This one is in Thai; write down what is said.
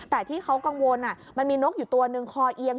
แต่ที่เขากังวลมันมีนกอยู่ตัวหนึ่งคอเอียง